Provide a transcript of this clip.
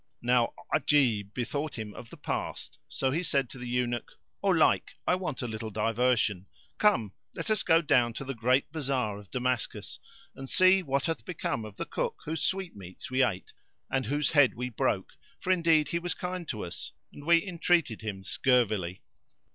Now Ajib bethought him of the past so he said to the Eunuch, "O Laik, I want a little diversion; come, let us go down to the great bazar of Damascus, [FN#463] and see what hath become of the cook whose sweetmeats we ate and whose head we broke, for indeed he was kind to us and we entreated him scurvily."